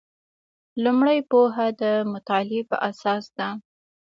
لومړۍ پوهه د مطالعې په اساس ده.